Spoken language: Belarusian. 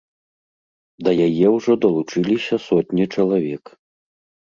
Да яе ўжо далучыліся сотні чалавек.